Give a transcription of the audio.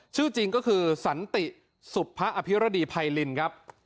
ชื่อจริงก็คือสันติสุภะอภิรดีไพรินครับ